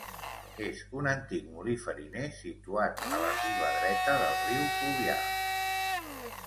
És un antic molí fariner situat a la riba dreta del riu Fluvià.